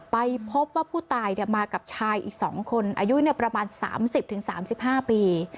ไปพบว่าผู้ตายเนี้ยมากับชายอีกสองคนอายุเนี้ยประมาณสามสิบถึงสามสิบห้าปี